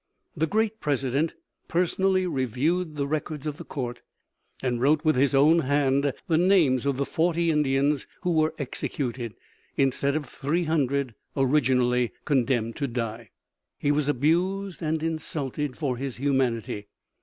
The great President personally reviewed the records of the court, and wrote with his own hand the names of the forty Indians who were executed, instead of three hundred originally condemned to die. He was abused and insulted for his humanity.